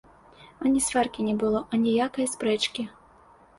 Ані сваркі не было, аніякае спрэчкі.